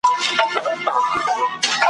ماشومانو په ځیر ځیر ورته کتله `